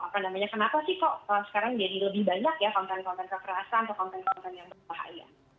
apa namanya kenapa sih kok sekarang jadi lebih banyak ya konten konten kekerasan atau konten konten yang berbahaya